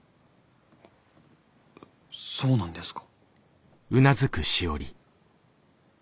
そうなんですか？